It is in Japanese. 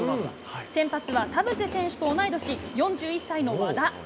先発は田臥選手と同い年、４１歳の和田。